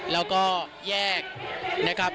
แล้วก็แยก